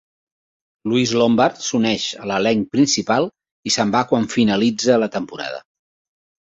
Louise Lombard s'uneix a l'elenc principal, i se'n va quan finalitza la temporada.